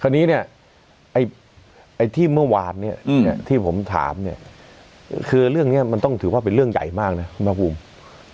คราวนี้เนี่ยไอ้ที่เมื่อวานเนี่ยที่ผมถามเนี่ยคือเรื่องนี้มันต้องถือว่าเป็นเรื่องใหญ่มากนะคุณภาคภูมิ